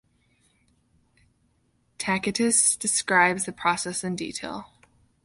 Tacitus describes the process in detail.